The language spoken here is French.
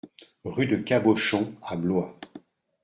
Rue de Cabochon à Blois